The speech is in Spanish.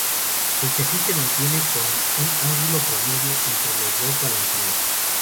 El chasis se mantiene con un ángulo promedio entre los dos balancines.